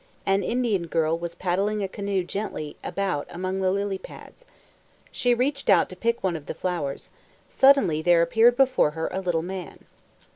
An Indian girl was paddling a canoe gently about among the lily pads. She reached out to pick one of the flowers. Suddenly there appeared before her a little man.